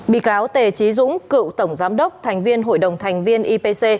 bị cáo t chí dũng cựu tổng giám đốc thành viên hội đồng thành viên ipc